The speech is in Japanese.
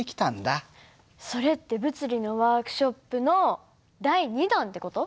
それって物理のワークショップの第２弾って事？